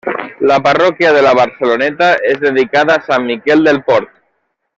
La parròquia de la Barceloneta és dedicada a Sant Miquel del Port.